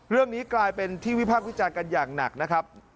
เรื่องนี้กลายเป็นที่วิพากษ์วิจารณ์กันอย่างหนักนะครับ